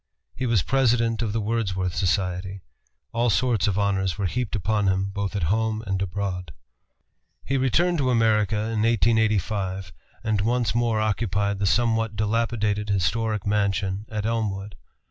He was President of the Wordsworth Society. All sorts of honors were heaped upon him, both at home and abroad. He returned to America in 1885, and once more occupied the somewhat dilapidated historic mansion at Elmwood.